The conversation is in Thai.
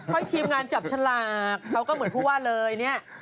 ให้ทีมงานจับฉลากเขาก็เหมือนผู้ว่าเลยเนี่ย